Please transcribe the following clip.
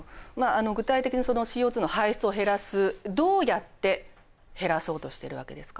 具体的にそのＣＯの排出を減らすどうやって減らそうとしてるわけですか？